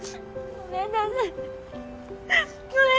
ごめんなさい。